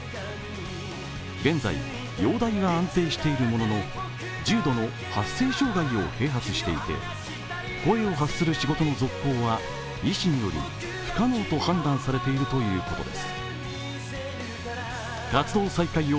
現在、容体は安定しているものの重度の発声障害を併発していて、声を発する仕事の続行は、医師により不可能と判断されているということです。